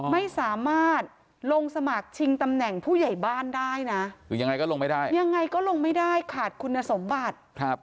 ไม่สามารถลงสมัครชิงตำแหน่งผู้ใหญ่บ้านได้นะยังไงก็ลงไม่ได้ขาดคุณสมบัติ